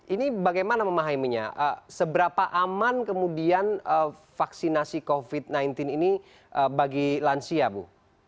ini bagaimana memahaminya seberapa aman kemudian vaksinasi covid sembilan belas ini bagi lansia bu